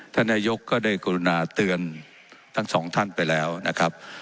ท่านนายกก็ได้กรุณาเตือนทั้งสองท่านไปแล้วนะครับ